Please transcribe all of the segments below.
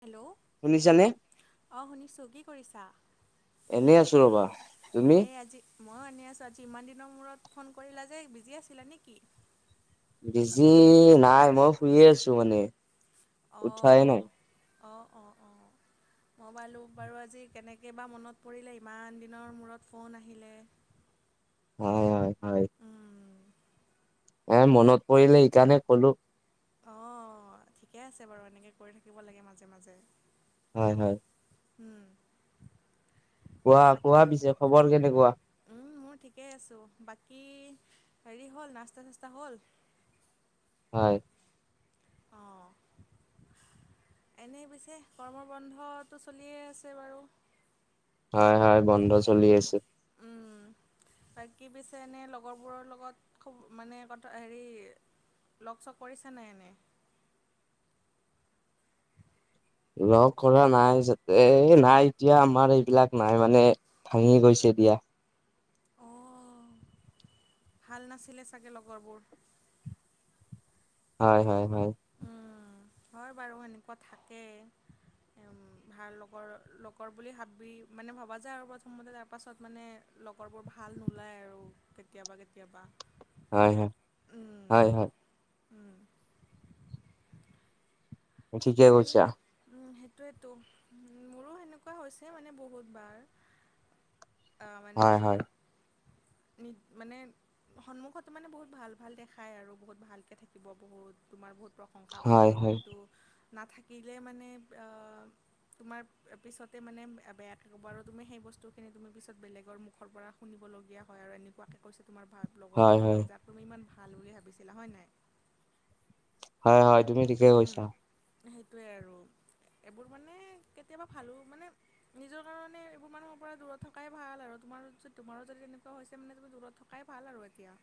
Hello, শুনিছানে? অ শুনিছোঁ। কি কৰিছা? এনেই আছো ৰবা। তুমি? মই আনি আছোঁ। আজি ইমান দিনৰ মূৰত ফোন কৰিলা যে বিজি আছিলা নেকি? বিজি নাই, মই শুইয়ে আছো মানে। অ, উঠাই নাই। অ অ অ। ম'বাইলটোত বাৰু আজি কেনেকে বা মনত পৰিলে, ইমান দিনৰ মূৰত ফোন আহিলে হয় হয় উম এ মনত পৰিলে সেইকাৰণে ক'লো অ, ঠিকে আছে বাৰু এনেকে কৰি থাকিব লাগে মাজে মাজে। হয় হয়। উম কোৱা কোৱা বাকী পিছে খবৰ কেনেকুৱা? উম মোৰ ঠিকেই আছোঁ বাকী হেৰি হ'ল নাস্তা চাস্তা হ'ল? হয় অ এনেই পিছে গৰমৰ বন্ধটো চলিয়ে আছে বাৰু। হয় হয় বন্ধ চলি আছে। উম। বাকি পিছে এনে লগৰবোৰৰ লগত খুব মানে কথা হেৰি লগ চগ কৰিছা নাই এনে লগ কৰা নাই যে এই নাই এতিয়া আমাৰ এইবিলাক নাই মানে ভাঙি গৈছে দিয়া অ ভাল নাছিলে চাগে লগৰবোৰ হয় হয় হয় উম, হয় বাৰু এনেকুৱা থাকেই ভাৰ লগৰ লগৰ বুলি ভাবি মানে ভবা যায় আৰু প্ৰথমতে তাৰ পাছত মানে লগৰবোৰ ভাল নোলায় আৰু কেতিয়াবা কেতিয়াবা হয় হয় উম, হয় হয় উম ঠিকে এন কৈছা উম সেইটোয়েতো মোৰো সেনেকুৱা হৈছে মানে বহুত বাৰ আহ মানে হয় হয় নি মানে সন্মুখত মানে বহুত ভাল ভাল দেখাই আৰু বহুত ভালকে থাকিব বহুত তোমাৰ বহুত প্ৰ সংশা হয় কৰিব হয় কিন্তু নাথাকিলে মানে অ তোমাৰ পিছতে মানে বেয়া বেয়াকে ক'ব আৰু তুমি সেই বস্তুখিনি তুমি পিছত বেলেগৰ মুখৰ পৰা শুনিবলগীয়া হয় আৰু এনেকুৱাকে কৈছে তোমাৰ ভ হয় হয় লগৰজনীয়ে যাক তুমি ইমান ভাল বুলি ভাবিছিলা হয় নাই হয় হয় তুমি ঠিকে উম কৈছা সেইটোৱে আৰু এইবোৰ মানে কেতিয়াবা ভালো মানে নিজৰ কাৰণে এইবোৰ মানুহৰ পৰা দূৰত থকাই ভাল আৰু তোমাৰ যদি তোমাৰো যদি তেনেকুৱা হৈছে মানে তুমি দূৰত থ কাই ভাল আৰু এতিয়া।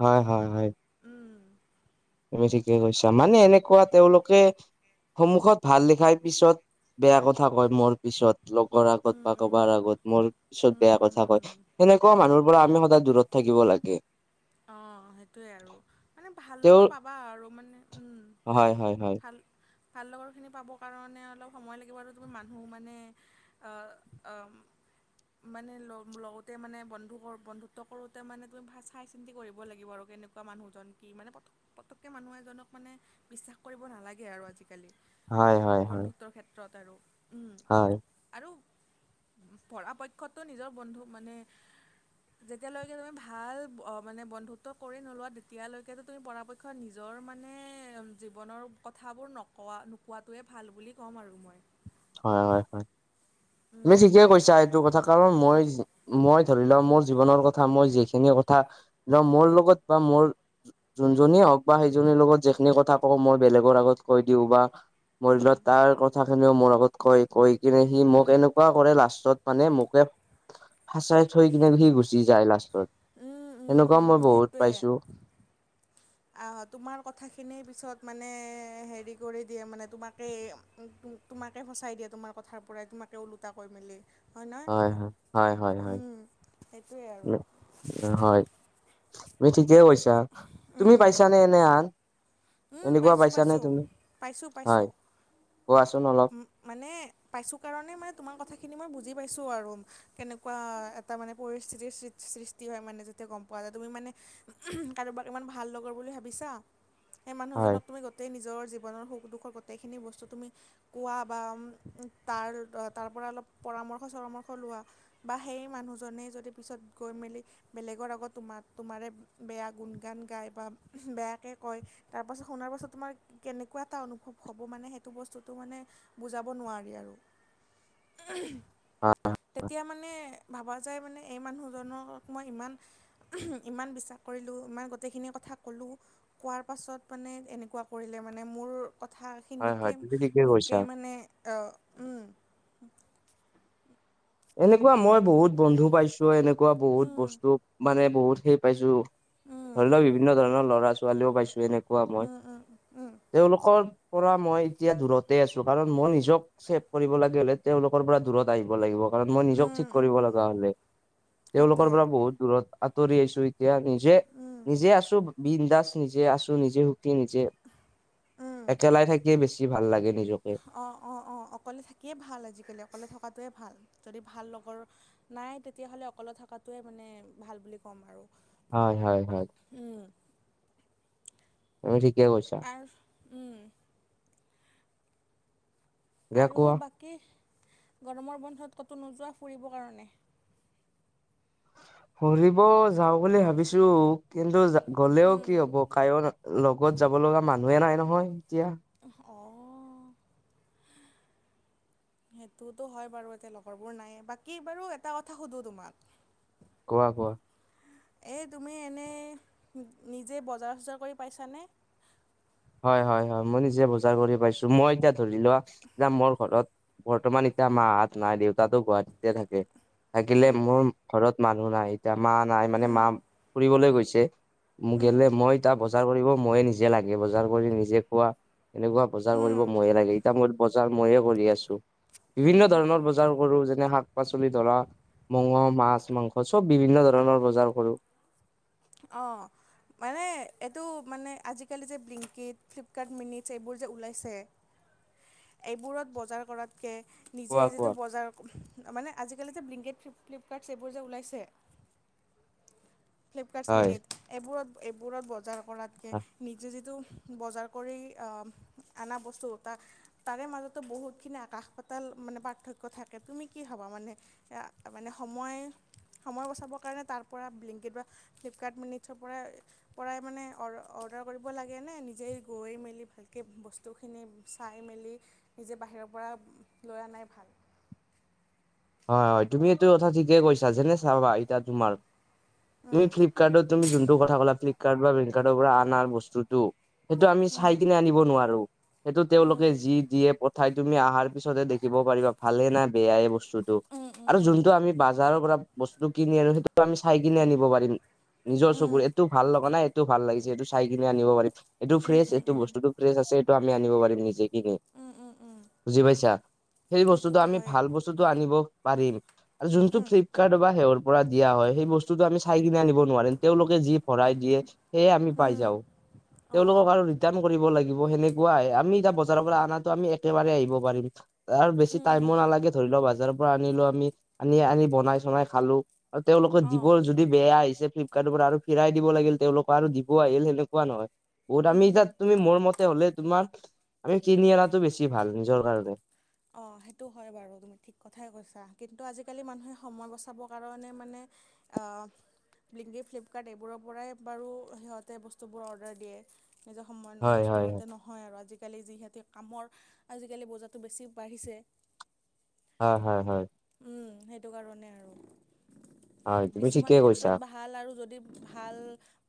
হয় হয় হয়। উম, তুমি ঠিকে কৈছা, মানে এনেকুৱা তেওঁলোকে সন্মুখত ভাল লিখাই পিছত বেয়া কথা কয় মোৰ। পিছত লগৰ আগত উম, বা কৰবাৰ উম, আগত মোৰ পিছত উম, বেয়া কথা কয়। উম। সেনেকুৱা মানুহৰ পৰা আমি সদায় দূৰত থাকিব লাগে। অঁ সেইটোৱে আৰু মানে ভাল তেওঁৰ লগা পাবা আৰু মানে উম হয় হয় হয়। ভাল ভাল লগা খিনি পাবৰ কাৰণে অলপ সময় লাগিব আৰু তুমি মানুহ মানে আ অ মানে লগ লগতে মানে বন্ধু বন্ধুত্ব কৰোতে মানে তুমি ভ চাই চিন্তি কৰিব লাগিব আৰু কেনেকুৱা মানুহজন কি মানে পতকৈ মানুহ এজনক মানে বিশ্বাস কৰিব নালাগে আৰু আজিকালি হয় হয় হয় বন্ধুত্বৰ ক্ষেত্ৰত আৰু। উম, হয়। আৰু পৰাঢ়পক্ষতো নিজৰ বন্ধু মানে যেতিয়ালৈকে তুমি ভাল মানে বন্ধু্ব কৰি নোলোৱা তেতিয়ালৈকেতো তুমি পৰাপ নিজৰ মানে জীৱনৰ কথাবোৰ নকোৱা নোকোৱাটোৱে ভাল বুলি ক'ম আৰু মই। হয় হয় হয়। তুমি উম। ঠিকে কৈছা এইটো কথা কাৰণ মই উম মই ধৰি লোৱা মোৰ জীৱনৰ ক থা মই যিখিনি কথা ধ মোৰ লগত বা মোৰ যোনজনীয়ে হওক বা সেইজনীৰ লগত যিখিনি কথা পওঁ মই বেলেগৰ আগত কৈ দিওঁ বা [inaudible] তাৰ কথা খিনিও মোৰ আগত কয় কৈ কিনে সি মোক এনেকুৱা কৰে লাষ্টত মানে মোকে ফাচাই থৈ কিনে সি গুচি যায় লাষ্টত উম সেনেকুৱাও উম মই বহুত পাইছো। আ তোমাৰ কথাখিনি পিছত মানে হেৰি কৰি দিয়ে মানে তোমাকেই তোমাকে ফচাই দিয়ে তোমাৰ কথাৰ পৰাই তোমাকে ওলোটা কৈ মেলি। হয় নয়, হয় হয় হয় উম সেইটোৱে আৰু। হয় তুমি ঠিকেই কৈছা, তুমি উম পাইছানে এনে আন? উম এনেকুৱা পাইছোঁ পাইছানে পাইছোঁ তুমি পাইছোঁ হয় পাইছোঁ। কোৱাচোন অলপ মানে পাইছোঁ কাৰণে মানে তোমাৰ কথাখিনি মই বুজি পাইছোঁ আৰু কেনেকুৱা এ তা মানে পৰিস্থিতিৰ সৃষ্টি হয় মানে যেতিয়া গম পোৱা যায় তুমি মানে কাৰোবাক ইমান ভাল লগৰ বুলি ভাবিছা সেই হয় মানুহজনক তুমি গোটেই নিজৰ জীৱনৰ সুখ দুখৰ গোটেইখিনি বস্তু তুমি কোৱা বা তাৰ তাৰ পৰা অলপ পৰামৰ্শ চৰামৰ্শ লোৱা। বা সেই মানুহজনে যদি পিছত গৈ মেলি বেলেগৰ আগত তোমাৰ তোমাৰে বেয়া গুণ গান গায় বা বেয়াকে কয়। তাৰপাছত শুনাৰ পাছত তোমাৰ কেনেকুৱা এটা অনুভৱ হ'ব মানে সেইটো বস্তুটো মানে বুজাব নোৱাৰি আৰু হয় তেতিয়া মানে ভাবা যায় মানে এই মানুহজনক মই ইমান ইমান বিশ্বাস কৰিলোঁ ইমান গোটেইখিনি কথা ক'লো কোৱাৰ পাছত মানে এনেকুৱা কৰিলে মানে মোৰ হয় হয় কথাখিনিকে তুমি ঠিকে কৈছা মোকেই মানে উম এনেকুৱা মই বহুত বন্ধু পাইছো এনেকুৱা বহুত উম বস্তু মানে বহুতেই পাইছো। উম ধৰি লওঁক বিভিন্ন ধৰণৰ ল'ৰা-ছোৱালীও পাইছো এনে উম, উম, উম, তেওঁলোকৰ পৰা মই এতিয়া দূৰতে আছো, কাৰণ মই নিজক ছেভ কৰিব লাগে হ'লে তেওঁলোকৰ পৰা দূৰত আহিব লাগিব। কাৰণ মই নিজক ঠিক উম উম কৰিব উম লগা হ'লে, তেওঁলোকৰ সেইটোৱে পৰা বহুত দূৰত আঁতৰি আহিছো। এতিয়া নিজে, উম নিজে আছো, বিন্দাছ নিজে আছো, নিজে নিজে, উম একেলাই থাকিয়ে বেছি ভাল লাগে নিজকে। অ, অ, অ, অকলে থাকিয়ে ভাল, আজিকালি অকলে থকাটোৱে ভাল যদি ভাল লগৰ নাই তেতিয়াহ'লে অকলে থকাতোৱে মানে ভাল বুলি ক'ম আৰু। হয়, হয়, হয়। উম, তুমি ঠিকে কৈছা। আৰু উম, দিয়া আৰু কোৱা বাকী, গৰমৰ বন্ধত ক'তো নোযোৱা ফুৰিবৰ কাৰণে? ফুৰিব যাওঁ বুলি ভাবিছো, কিন্তু গ'লেও কি হ'ব কাইও লগত যাব লগা মানুহে নাই নহয় এতিয়া। অ, সেইটোতো হয় বাৰু, এতিয়া লগৰবোৰ নাই বাকী বাৰু এটা কথা সুধো তোমাক? কোৱা কোৱা। এই তুমি এনেই নিজে বজাৰ-চজাৰ কৰি পাইছানে? হয়, হয়, হয়, মই নিজে বজাৰ কৰি পাইছো, মই এতিয়া ধৰি লোৱা, যে মোৰ ঘৰত বৰ্তমান এতিয়া মাহ হাত নাই দেউতাটো গুৱাহাটীতে থাকে, থাকিলে উম, মোৰ ঘৰত মানুহ নাই, এতিয়া মা নাই, মানে মা উম, ফুৰিবলৈ গৈছে। মোক উম, গেলে মই তাৰ বজাৰ কৰিব মই নিজে লাগে, বজাৰ কৰি নিজে খোৱা এনেকুৱা বজাৰ উম, কৰিব ময়ে লাগে, এতিয়া মই বজাৰ ময়ে কৰি আছো, উম, বিভিন্ন উম, উম। ধৰণৰ বজাৰ কৰো যেনে শাক-পাচলি ধৰা মঙহ মাছ-মাংস চব বিভিন্ন ধৰণৰ বজাৰ কৰো। অ, মানে এইটো মানে আজিকালি যে ব্লিংককিত, ফ্লিপকাৰ্ট মিনিচ, এইবোৰ যে ওলাইছে। এইবোৰত বজাৰ কৰাতকে নিজে কোৱা যিটো কোৱা বজাৰ, মানে আজিকালি যে ব্লিংকেট ফ, ফ্লিপকাৰ্টচ এইবোৰ যে ওলাইছে। ফ্লিপকাৰ্ট হয় মিনিছ, এইবোৰত এইবোৰত বজাৰ কৰাতকে নিজে যিটো বজাৰ কৰি অ, অনা বস্তু তাক তাৰে মাজতো বহুত খিনি আকাশ-পাতাল মানে পাৰ্থক্য থাকে। তুমি কি ভাবা মানে? এয়া মানে সময়, সময় বচাবৰ কাৰণে তাৰ পৰা ব্লিংক কেতিয়াবা ফ্লিপকাৰ্ট মিনিটছৰ পৰা পৰাই মানে অ, অৰ্ডাৰ কৰিব লাগে নে, নিজেই গৈ মেলি ভালকে বস্তু বস্তুখিনি চাই মেলি, নিজে বাহিৰৰ পৰা লৈ অনাই ভাল। হয়, হয়, তুমি এইটো কথা ঠিকে কৈছা, যেনে চাবা এতিয়া তোমাৰ তুমি উম ফ্লিপকাৰ্টত তুমি যোনটো কথা, ক'লা ফ্লিপকাৰ্ট বা বেনকাৰ্টৰ পৰা অনাৰ বস্তুটো। সেইটো আমি চাই কিনে আনিব নোৱাৰোঁ। সেইটো তেওঁলোকে যি দিয়ে পথাই তুমি অহাৰ পিছতহে দেখিব পাৰিবা ভালেনে বেয়াই। বস্তুটো উম আৰু উম যোনটো আমি বাজাৰৰ পৰা বস্তু কিনি আনো, সেইটো আমি চাই কিনি আনিব পাৰিম। নিজৰ চকুৰ উম এইটো ভাল লগা নাই, এইটো ভাল লাগিছে, এইটো চাই কিনে আনিব পাৰিম, এইটো উম ফ্ৰেচ উম এইটো উম বস্তুতটো ফ্ৰেচ আছে এইটো আমি আনিব পাৰিম নেকি। উম উম উম বুজি পাইছা, সেই বস্তুটো সেইটোতো আমি হয়েই ভাল বস্তুতটো আনিব পাৰিম যোনটো উম ফ্লিপকাৰ্টত বা সেয়ৰ পৰা দিয়া হয় সেই বস্তু বস্তুতো আমি চাই কিনে আনিব নোৱাৰিম তেওঁলোকে যি ভৰাই দিয়ে সেয়েই আমি পাই উম যাওঁ অ তেওঁলোকৰ আৰু ৰিটাৰ্ণ কৰিব লাগিব সেনেকুৱাই আমি বজাৰৰ পৰা অনা আমি একে আহিব পাৰিম আৰু বেছি উম টাইমো নালাগে ধৰি লওক বজাৰৰ পৰা আনিলো আমি আনি আনি বনাই চনাই খালো আৰু তেওঁলোকৰ অ দিবৰ যদি বেয়া আহিছে ফ্লিপকাৰ্টৰ পৰা আৰু ফিৰাই দিব লাগিল তেওঁলোকক আৰু দিব আহিল সেনেকুৱা নহয় বহুত আমি উম তাত তুমি মোৰ মতে হ'লে তোমাৰ আমি কিনি অনাতটো বেছি ভাল নিজৰ কাৰণে অঁ সেইটো হয় বাৰু তুমি ঠিক কথাই কৈছা কিন্তু আজিকালি মানুহে সময় বচাবৰ কাৰণে মানে অ বিলিংকী, ফ্লিপকাৰ্ট এইবোৰৰ পৰাই বাৰু সিহঁতে বস্তুবোৰ অৰ্ডাৰ দিয়ে নিজৰ সময় হয় নষ্ট হয় যাতে নহয় আৰু আজিকালি যিহেতু কামৰ আজিকালি বোজাটো বেছি বাঢ়িছে হয় হয় হয় উম সেইটো কাৰণে আৰু হয় তুমি কিছুমান ঠিকে কৈছা ক্ষেত্ৰত বা ভাল আৰু যদি ভাল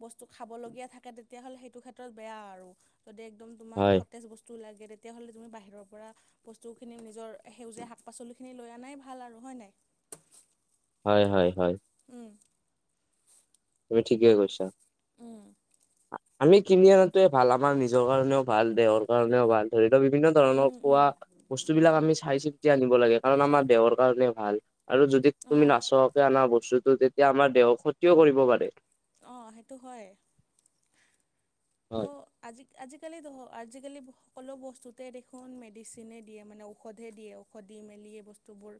বস্তু খাবলগীয়া থাকে তেতিয়াহ'লে সেইটো ক্ষেত্ৰত বেয়া আৰু যদি একদম তোমাক হয় সতেজ বস্তু ওলাই তেতিয়াহলে তুমি বাহিৰৰ পৰা বস্তুখিনি নিজৰ সেউজীয়া শাক পাচলিখিনি লৈ অননাই ভাল আৰু হয় নে নাই হয় হয় হয় উম তুমি ঠিকেই কৈছা উম আমি কিনি অনা তোৱে ভাল আমাৰ নিজৰ কাৰণে ভাল দেহৰ কাৰণেও ভাল ধৰি লও বিভিন্ন ধৰণৰ উম উম খোৱা বস্তুবিলাক আমি চাই চিতি আনিব লাগে কাৰণ আমাৰ দেহৰ কাৰণে ভাল আৰু যদি তুমি অঁ নাচোৱাকে অনা বস্তুটো তেতিয়া আমাৰ দেহক ক্ষতিও কৰিব পাৰে অ সেইটো হয় ট হয় আজি আজিকালি আজিকালি সকলো বস্তুতে দেখোন মেডিচিনেই দিয়ে মানে ঔষধহে দিয়ে ঔষধ দি মেলি এই বস্তুবোৰ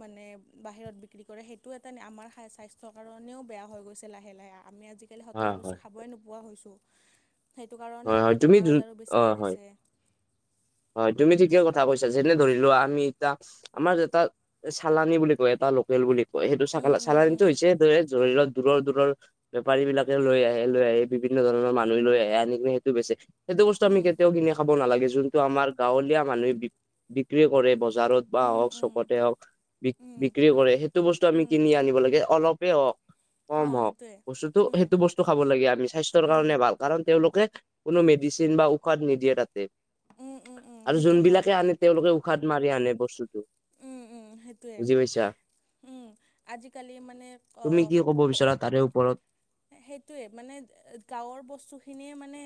মানে বাহিৰত বিক্ৰী কৰে সেইটো এটা আমাৰ স্বাস্থ্যৰ কাৰণেও বেয়া হৈ গৈছে লাহে লাহে আমি আজি কালি সতেজ হয় বস্তু হয় খাবই নোপোৱা হৈছোঁ সেইটো কাৰণে হয় হয় আমাৰ তুমি বেমাৰ যো- আজাৰো বেছি অ হৈ হয় গৈছে হয় তুমি ঠিকেই কথা কৈছা যেনে ধৰিলোৱা আমি এতিয়া আমাৰ যে এটা চালানী বুলি কয় এটা লোকেল বুলি কয় সেইটো চ উম উম উম চালানীটো হৈছে ধৰি লোৱা দূৰ দূৰ বেপাৰী বিলাকে লৈ আহে লৈ আহি বিভিন্ন ধৰণৰ মানুহ লৈ আহে আনি সেইটো বেছি, সেইটো বস্তু আমি উম কেতিয়াও কিনি খাব নালাগে যোনটো আমাৰ গাঁৱলীয়া মানুহে বি বিক্ৰী কৰে বজাৰ বজাৰত বা উম হওক উম চুকতে হওঁক বি উম বিক্ৰী কৰে সেইটো বস্তু আমি উম কিনি আনিব লাগে অলপেই হওঁক কম অঁ হওঁক সেইটোৱে বস্তুতটো উম সেইটো বস্তু খাব লাগে আমি স্বাস্থ্যৰ উম কাৰণে ভাল কাৰণ তেওঁলোকে কোনো মেডিচিন বা ঔষধ নিদিয়ে তাতে উম উম উম আৰু সেইটো হয় যোনবিলাকে আনে তেওঁলোকে ঔষধ মাৰি আনে বস্তুটো উম উম, সেইটোৱে বুজি পাইছা উম, আজিকালি মানে অ তুমি কি ক'ব বিচৰা তাৰে ওপৰত সেইটোৱে মানে গাঁৱৰ বস্তুখিনিয়ে মানে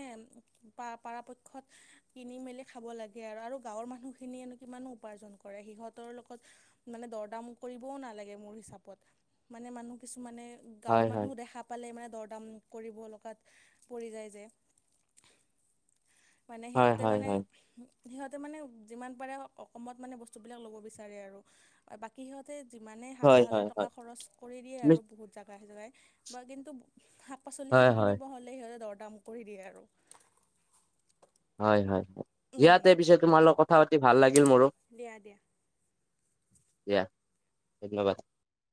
পাৰাপক্ষত কিনি মেলি খাব লাগে আৰু, আৰু গাঁৱৰ মানুহখিনিয়েনো কিমাননো উপাৰ্জন কৰে, সিহঁতৰ লগত মানে দৰদাম কৰিবও নালাগে মোৰ হিচাপত, মানে মানুহ কিছুমানে গাঁৱৰ হয় হয় মানুহ দেখা পালে মানে দৰদাম কৰিব লগাত পৰি যায় যে। মানে হয় সিহঁতে হয় মানে হয় সিহঁতে মানে যিমান পাৰে অকমত মানে বস্তুবিলাক ল'ব বিচাৰে আৰু। বাকী সিহঁতে যিমানে হয় হাজাৰ হাজাৰ হয় টকা হয় খৰচ কৰি দিয়ে তুমি আৰু বহুত জেগাই জেগাই। বা কিন্তু শাক হয় পাচলিখিনি হয় কিনিব হ'লে সিহঁতে দৰ দাম কৰি দিয়ে আৰু। হয়, হয়, হয়, উম ইয়াতে পিছে তোমাৰ লগত কথা পাতি ভাল লাগিল মোৰো। দিয়া দিয়া দিয়া, ধন্যবাদ।